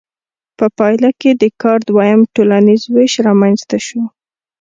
په پایله کې د کار دویم ټولنیز ویش رامنځته شو.